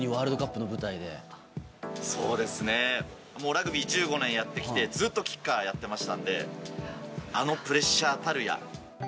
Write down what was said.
ラグビー１５年やってきてずっとキッカーやってましたのであのプレッシャーたるや。